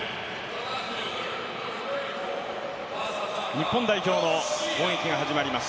日本代表の攻撃が始まります。